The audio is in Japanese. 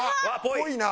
っぽいな！